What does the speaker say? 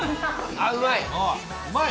あうまい？